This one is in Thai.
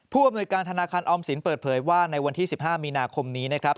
อำนวยการธนาคารออมสินเปิดเผยว่าในวันที่๑๕มีนาคมนี้นะครับ